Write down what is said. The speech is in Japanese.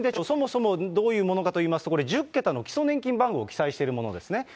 そもそもどういうものかと言いますと、１０桁の基礎年金番号を記載しているものですね。